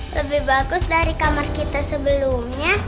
lebih bagus dari kamar kita sebelumnya